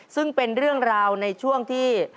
ซึ่งเป็นเรื่องราวในช่วงที่